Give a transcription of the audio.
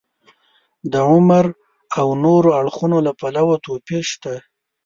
د عمر او نورو اړخونو له پلوه توپیر شته.